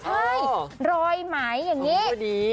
ใช่รอยไหมอย่างนี้